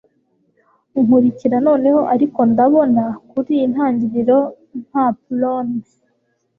nkurikira noneho ariko ndabona, kuri iyi ntangiriro ya prone